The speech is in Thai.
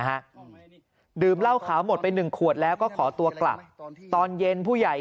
ฮะดื่มเหล้าขาวหมดไปหนึ่งขวดแล้วก็ขอตัวกลับตอนเย็นผู้ใหญ่